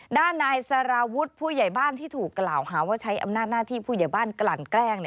ด้านนายสารวุฒิผู้ใหญ่บ้านที่ถูกกล่าวหาว่าใช้อำนาจหน้าที่ผู้ใหญ่บ้านกลั่นแกล้ง